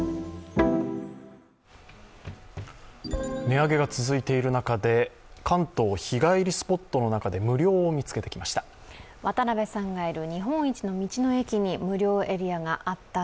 値上げが続いている中で、関東日帰りスポットの中で無料を見つけてきました。